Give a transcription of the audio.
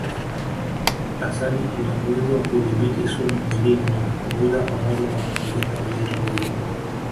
Asali ina uwezo wa kudhibiti sumu mwilini na kupunguza pamoja na kuongeza uzito mwilini